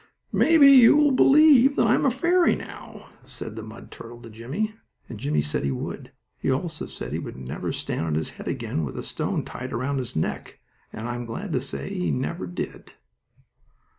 "Maybe you will believe that I am a fairy now," said the mud turtle to Jimmie, and Jimmie said he would. He also said he would never stand on his head again, with a stone tied around his neck, and I'm glad to say he never did.